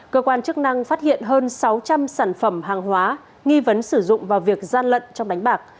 cơ quan chức năng phát hiện hơn sáu trăm linh sản phẩm hàng hóa nghi vấn sử dụng vào việc gian lận trong đánh bạc